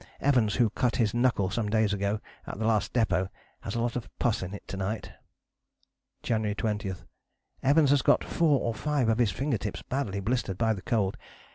Evans, who cut his knuckle some days ago at the last depôt, has a lot of pus in it to night." January 20: "Evans has got 4 or 5 of his finger tips badly blistered by the cold.